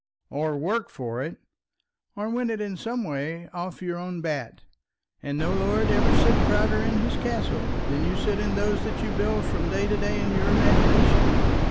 "Or work for it." "Or win it in some way off your own bat; and no lord ever sat prouder in his castle than you sit in those that you build from day to day in your imagination.